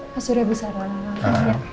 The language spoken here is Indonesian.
mas uriah bisa nanggap ya